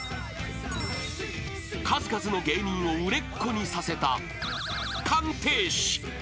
［数々の芸人を売れっ子にさせた鑑定士］